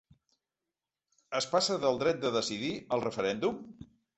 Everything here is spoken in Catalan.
Es passa del dret de decidir al referèndum?